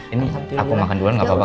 ini aku makan duluan gak apa apa